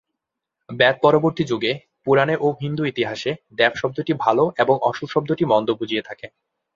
বেদ পরবর্তী যুগে, পুরাণে ও হিন্দু ইতিহাসে দেব শব্দটি ভাল এবং অসুর শব্দটি মন্দ বুঝিয়ে থাকে।